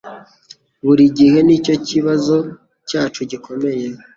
Buri gihe nicyo kibazo cyacu gikomeye